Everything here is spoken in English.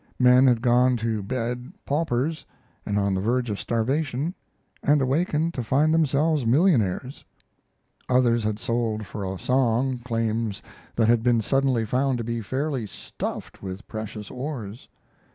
Men had gone to bed paupers, on the verge of starvation, and awakened to find themselves millionaires. Others had sold for a song claims that had been suddenly found to be fairly stuffed with precious ores.